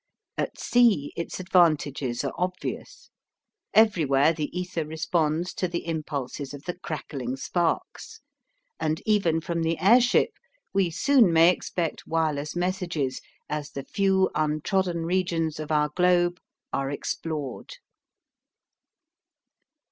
At sea its advantages are obvious. Everywhere the ether responds to the impulses of the crackling sparks, and even from the airship we soon may expect wireless messages as the few untrodden regions of our globe are explored.